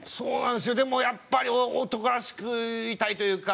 でもやっぱり男らしくいたいというか。